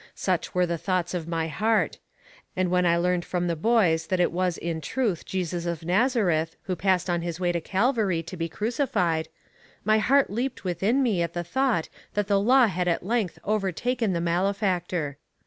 Such were the thoughts of my heart; and when I learned from the boys that it was in truth Jesus of Nazareth who passed on his way to Calvary to be crucified, my heart leaped within me at the thought that the law had at length overtaken the malefactor.